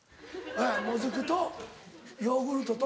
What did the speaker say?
もずくとヨーグルトと？